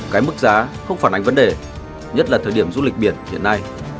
cái mức giá không phản ánh vấn đề nhất là thời điểm du lịch biển hiện nay